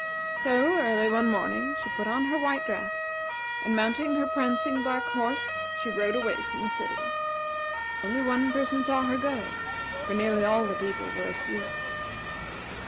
So, early one morning, she put on her white dress, and mounting her prancing black horse, she rode away from the city. Only one person saw her go, for nearly all the people were asleep.